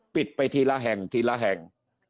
ปิดไปทีละแห่งทีละแห่ง